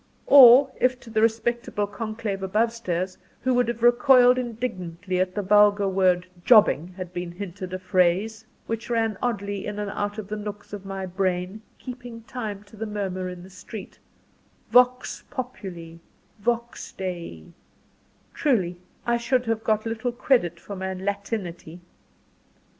Or if to the respectable conclave above stairs, who would have recoiled indignantly at the vulgar word "jobbing," had been hinted a phrase which ran oddly in and out of the nooks of my brain, keeping time to the murmur in the street, "Vox populi, vox Dei" truly, I should have got little credit for my Latinity.